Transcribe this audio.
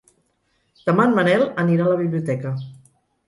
Demà en Manel anirà a la biblioteca.